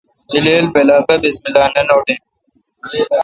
الیل بلا با بسم اللہ۔ نہ نوٹیں